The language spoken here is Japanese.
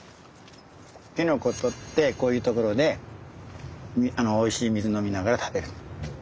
きのこ採ってこういうところでおいしい水飲みながら食べる。